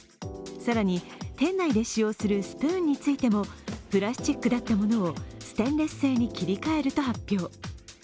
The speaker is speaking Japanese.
更に店内で使用するスプーンについてもプラスチックだったものをステンレス製に切り替えると発表。